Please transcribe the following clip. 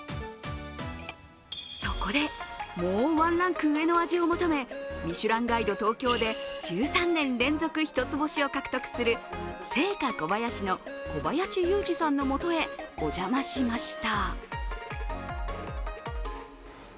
そこでもうワンランク上の味を求め「ミシュランガイド東京」で１３年連続１つ星を獲得する青華こばやしの小林雄二さんのもとへお邪魔しました。